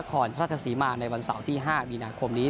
นครราชสีมาในวันเสาร์ที่๕มีนาคมนี้